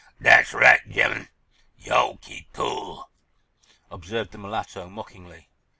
"Dat's right, gemmun, yo' keep cool," observed the mulatto, mockingly.